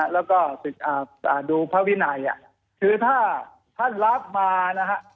แล้วก็ดูพระวินัยคือถ้าท่านรับมานะฮะ